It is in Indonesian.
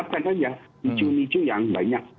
picu micu yang banyak